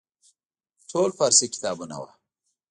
ټول فارسي کتابونه وو.